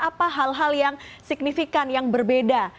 apa hal hal yang signifikan yang berbeda